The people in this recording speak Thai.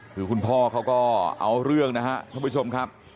คือคุณพ่อเขาก็เอาเรื่องนะครับท่านผู้ชมครับ